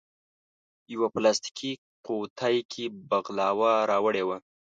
یوه پلاستیکي قوتۍ کې بغلاوه راوړې وه.